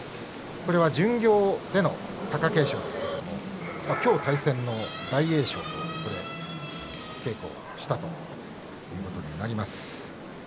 これは巡業での貴景勝ですけれども今日、対戦の大栄翔と稽古をしたということになります。